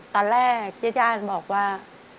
ตอนแรกเจ้าจ้านบอกว่า